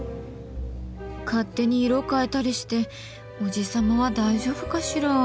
勝手に色変えたりしておじ様は大丈夫かしら？